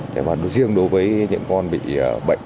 để riêng đối với những con bị bệnh